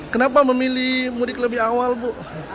kenapa memilih mudik lebih awal bu